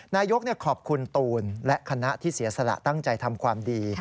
นายกขอบคุณตูนและคณะที่เสียสละตั้งใจทำความดี